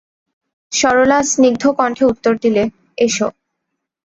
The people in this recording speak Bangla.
সরলা সিনগ্ধ কণ্ঠে উত্তর দিলে, এসো।